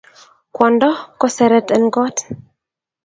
Kwondo ko seret en kot